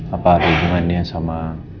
apa ada hubungannya sama